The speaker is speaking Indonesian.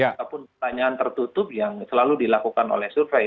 ataupun pertanyaan tertutup yang selalu dilakukan oleh survei